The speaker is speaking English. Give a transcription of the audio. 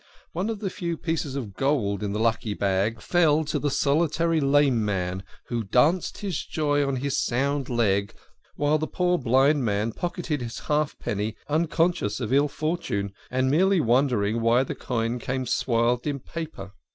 One of the few pieces of gold in the lucky bag fell to the solitary lame man, who danced in his joy on his sound leg, while the poor blind man pocketed his half penny, unconscious of ill fortune, and merely wondering why the coin came swathed in< paper.